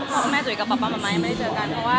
ใช่อ่ะแต่ว่าคุณพ่อคุณแม่ยังไม่ได้เจอกันอ่ะ